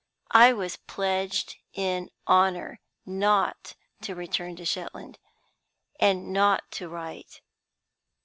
I was pledged in honor not to return to Shetland, and not to write.